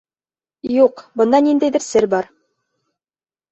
Юҡ, бында ниндәйҙер сер бар.